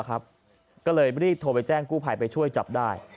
ก็เลยรีบโทรไปแจ้งกู้ภัยไปช่วยจับได้